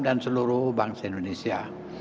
dan seluruh bank indonesia